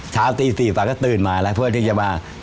เช้าตี๔ไปก็ตื่นมาแล้วเพื่อที่จะมา